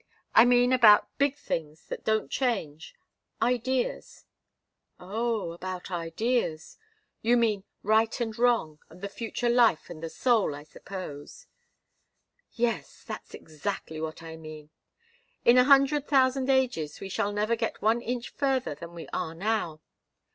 I mean about big things that don't change ideas." "Oh about ideas. You mean right and wrong, and the future life and the soul, I suppose." "Yes. That's exactly what I mean. In a hundred thousand ages we shall never get one inch further than we are now.